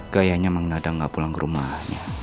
gayanya mang nadang gak pulang ke rumahnya